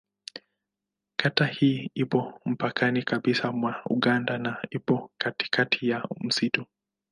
Kata hii ipo mpakani kabisa mwa Uganda na ipo katikati ya msitu.